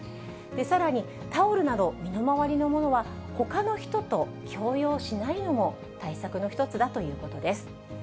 さらに、タオルなど、身の回りのものは、ほかの人と共用しないのも対策の一つだということです。